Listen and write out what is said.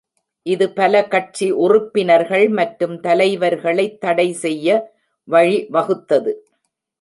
இது பல கட்சி உறுப்பினர்கள் மற்றும் தலைவர்களைத் தடை செய்ய வழிவகுத்தது.